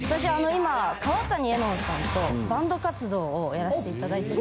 今川谷絵音さんとバンド活動をやらしていただいてて。